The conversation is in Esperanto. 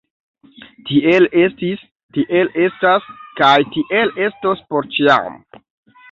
Tiel estis, tiel estas kaj tiel estos por ĉiam!